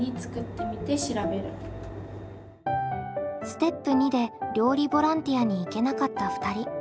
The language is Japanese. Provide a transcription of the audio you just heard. ステップ２で料理ボランティアに行けなかった２人。